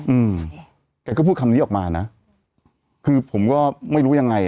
อืมแกก็พูดคำนี้ออกมานะคือผมก็ไม่รู้ยังไง